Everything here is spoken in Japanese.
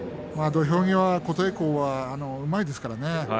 土俵際、琴恵光はうまいですからね。